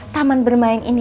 taman bermain ini